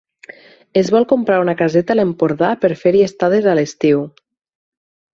Es vol comprar una caseta a l'Empordà per fer-hi estades a l'estiu.